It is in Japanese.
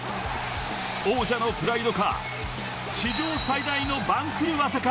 王者のプライドか、史上最大の番狂わせか。